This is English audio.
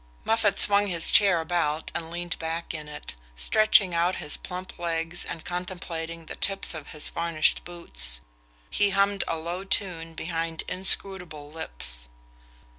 Moffatt swung his chair about and leaned back in it, stretching out his plump legs and contemplating the tips of his varnished boots. He hummed a low tune behind inscrutable lips.